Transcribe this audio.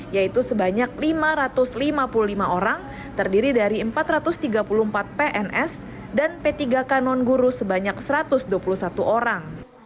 yaitu sebanyak lima ratus lima puluh lima orang terdiri dari empat ratus tiga puluh empat pns dan p tiga k non guru sebanyak satu ratus dua puluh satu orang